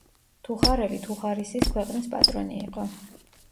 თუხარელი თუხარისის ქვეყნის პატრონი იყო.